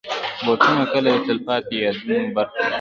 بوټونه کله د تلپاتې یادونو برخه وي.